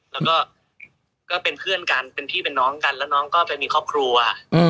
แล้วก็ก็เป็นเพื่อนกันเป็นพี่เป็นน้องกันแล้วน้องก็ไปมีครอบครัว